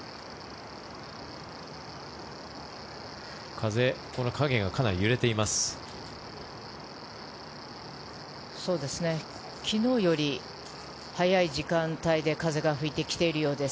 風、この影がかなり揺れています。